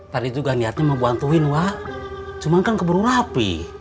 tadi juga niatnya mau bantuin wah cuma kan keburu rapi